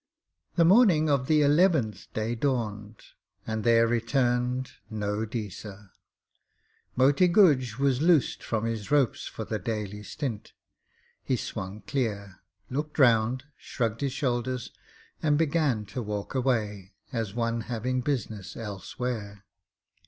The morning of the eleventh day dawned, and there returned no Deesa. Moti Guj was loosed from his ropes for the daily stint. He swung clear, looked round, shrugged his shoulders, and began to walk away, as one having business elsewhere.